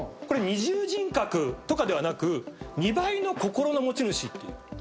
これ二重人格とかではなく２倍の心の持ち主っていう。